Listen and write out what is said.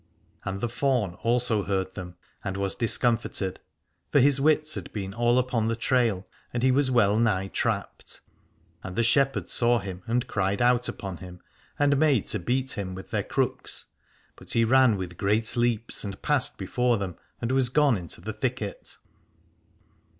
And the faun also heard them and was discomfited : for his wits had been all upon the trail and he was well nigh trapped. And the shepherds saw him and cried out upon him and made to beat him with their crooks, but he ran with great leaps, and passed before them and was gone into the thicket.